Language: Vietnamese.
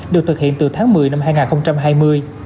được thực hiện từ tháng một mươi năm hai nghìn hai mươi